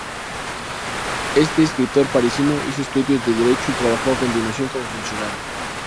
Este escritor parisino hizo estudios de Derecho y trabajó a continuación como funcionario.